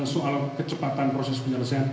soal kecepatan proses penyelesaian